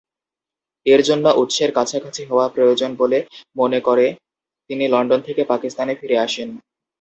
এর জন্য উৎসের কাছাকাছি হওয়া প্রয়োজন বলে মনে করে তিনি লন্ডন থেকে পাকিস্তানে ফিরে আসেন।